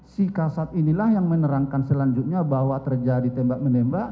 si kasat inilah yang menerangkan selanjutnya bahwa terjadi tembak menembak